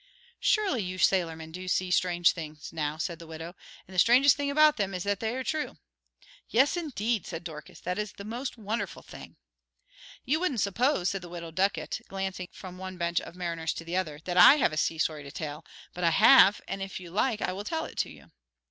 "Surely you sailormen do see strange things," now said the widow, "and the strangest thing about them is that they are true." "Yes, indeed," said Dorcas, "that is the most wonderful thing." "You wouldn't suppose," said the Widow Ducket, glancing from one bench of mariners to the other, "that I have a sea story to tell, but I have, and if you like I will tell it to you."